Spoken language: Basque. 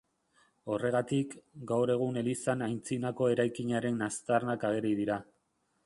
Horregatik, gaur egungo elizan antzinako eraikinaren aztarnak ageri dira.